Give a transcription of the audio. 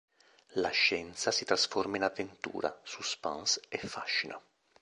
La scienza si trasforma in avventura, suspense e fascino.